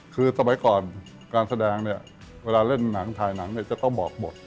คือสมัยก่อนการแสดงเนี่ยเวลาเล่นหนังถ่ายหนังเนี่ยจะต้องบอกบท